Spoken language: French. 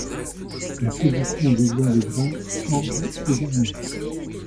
La position des joints de grains change également.